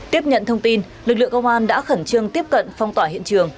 tiếp nhận thông tin lực lượng công an đã khẩn trương tiếp cận phong tỏa hiện trường